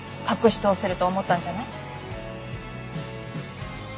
隠し通せると思ったんじゃない？